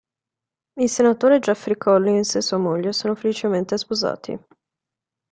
Il senatore Jeffrey Collins e sua moglie sono felicemente sposati.